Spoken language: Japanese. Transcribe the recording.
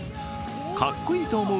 かっこいいと思う